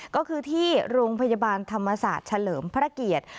ก็คือที่โรงพยาบาลธรรมศาสตร์เฉลิมพระเกียรติ